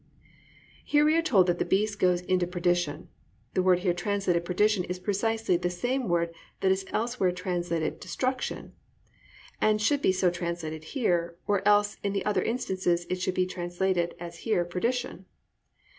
"+ Here we are told that the beast goes into "perdition." The word here translated "perdition" is precisely the same word that is elsewhere translated "destruction" and should be so translated here; or else in the other instances it should be translated, as here, "perdition."